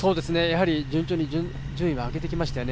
順調に順位を上げてきましたよね。